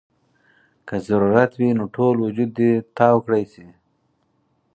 کۀ ضرورت وي نو ټول وجود دې تاو کړے شي -